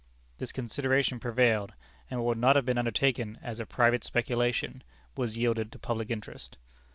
This consideration prevailed, and what would not have been undertaken as a private speculation, was yielded to public interest.